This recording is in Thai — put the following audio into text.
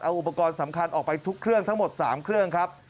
อุปกรณ์สำคัญออกไปทุกเครื่องทั้งหมด๓เครื่องครับ